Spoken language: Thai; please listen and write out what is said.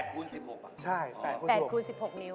๘คูณ๑๖นิ้ว